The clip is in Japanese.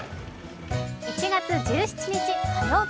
１月１７日火曜日。